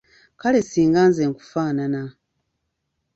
Kale singa nze nkufaanana.